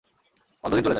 অর্ধ দিন চলে যায়।